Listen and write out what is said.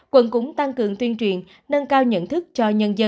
quận cũng tăng cường tuyên truyền nâng cao nhận thức cho nhân dân